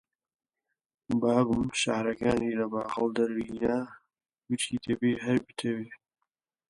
بابم شیعرەکانی لە باخەڵ دەرێنا، گوتی: دەبێ هەر بتەوێ